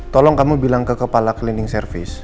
tolong kamu bilang ke kepala cleaning service